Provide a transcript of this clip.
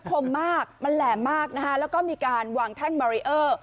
คมมากมันแหลมมากนะคะแล้วก็มีการวางแท่งบารีเออร์